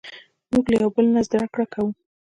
موږ له یو بل نه زدهکړه کوو.